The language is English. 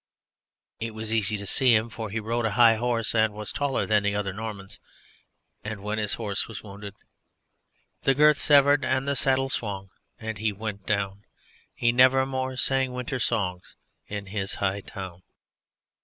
It was easy to see him, for he rode a high horse and was taller than other Normans, and when his horse was wounded.... ... The girth severed and the saddle swung And he went down; He never more sang winter songs In his High Town.